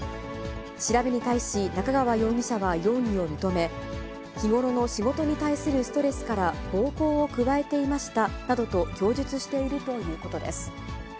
調べに対し、中川容疑者は容疑を認め、日頃の仕事に対するストレスから、暴行を加えていましたなどと供述しているということです。